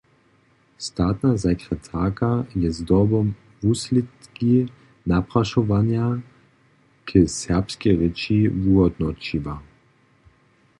Statna sekretarka je zdobom wuslědki naprašowanja k serbskej rěči wuhódnoćiła.